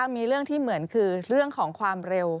มีเรื่องที่เหมือนคือเรื่องของความเร็ว